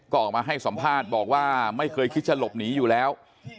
ก็ออกมาให้สัมภาษณ์บอกว่าไม่เคยคิดจะหลบหนีอยู่แล้ว